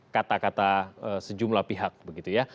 kata kata sejumlah pihak begitu ya